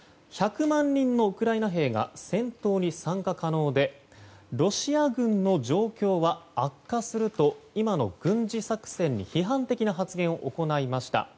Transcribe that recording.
１００万人のウクライナ兵が戦闘に参加可能でロシア軍の状況は悪化すると今の軍事作戦に批判的な発言を行いました。